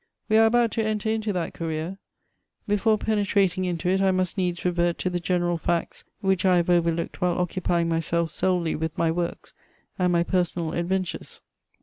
We are about to enter into that career: before penetrating into it, I must needs revert to the general facts which I have overlooked while occupying myself solely with my works and my personal adventures.